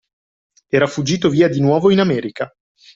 Era fuggito via di nuovo in America